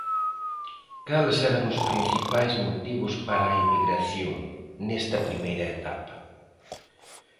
Cales eran os principais motivos para a emigración, nesta primeira etapa?